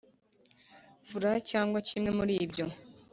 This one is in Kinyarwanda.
Frw cyangwa kimwe muri ibyo